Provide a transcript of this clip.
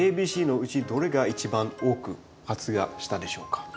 ＡＢＣのうちどれが一番多く発芽したでしょうか？